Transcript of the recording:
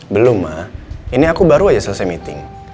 belum mak ini aku baru aja selesai meeting